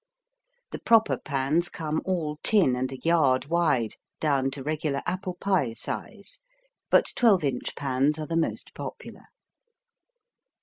The proper pans come all tin and a yard wide, down to regular apple pie size, but twelve inch pans are the most popular.